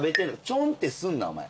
チョンってすんなお前。